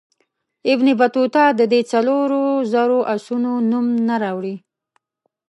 ابن بطوطه د دې څلورو زرو آسونو نوم نه راوړي.